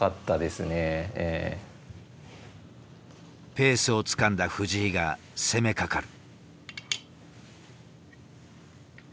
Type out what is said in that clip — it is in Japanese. ペースをつかんだ藤井が攻めかかる。